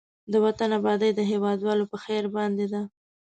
د وطن آبادي د هېوادوالو په خير باندې ده.